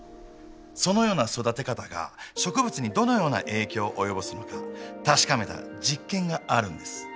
そのような育て方が植物にどのような影響を及ぼすのか確かめた実験があるんです。